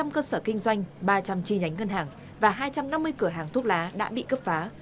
hai trăm linh cơ sở kinh doanh ba trăm linh chi nhánh ngân hàng và hai trăm năm mươi cửa hàng thuốc lá đã bị cấp phá